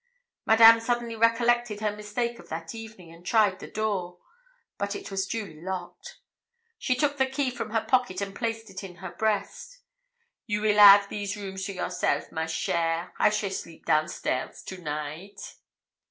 Madame suddenly recollected her mistake of that evening, and tried the door; but it was duly locked. She took the key from her pocket and placed it in her breast. 'You weel 'av these rooms to yourself, ma chère. I shall sleep downstairs to night.'